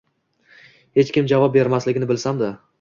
Hech kim javob bermasligini bilsam-da